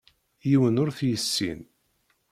Yiwen ur t-yessin.